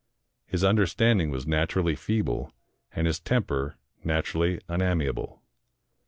His understanding was naturally feeble, and his temper naturally unamiable.